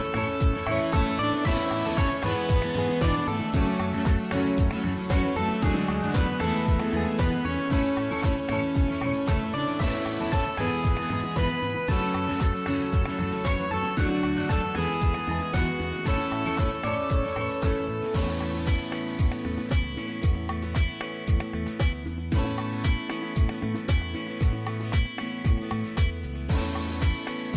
โปรดติดตามตอนต่อไป